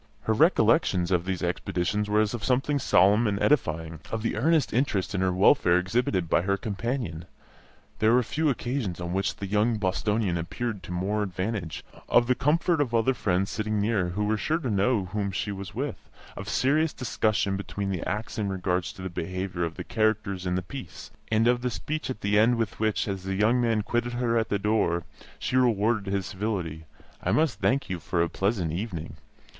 Her recollections of these expeditions were as of something solemn and edifying of the earnest interest in her welfare exhibited by her companion (there were few occasions on which the young Bostonian appeared to more advantage), of the comfort of other friends sitting near, who were sure to know whom she was with, of serious discussion between the acts in regard to the behaviour of the characters in the piece, and of the speech at the end with which, as the young man quitted her at her door, she rewarded his civility "I must thank you for a very pleasant evening."